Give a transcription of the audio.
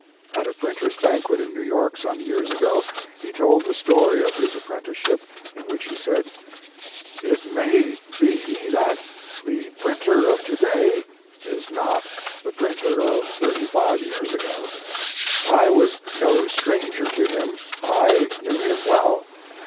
At a printers banquet in New York, some years ago, he told the story of his apprenticeship, in which he said: "It may be that the printer of to day is not the printer of thirty five years ago. I was no stranger to him. I knew him well.